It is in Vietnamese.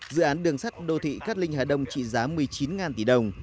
dự án đường sắt đô thị cát linh hà đông trị giá một mươi chín tỷ đồng